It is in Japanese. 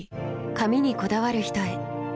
髪にこだわる人へ。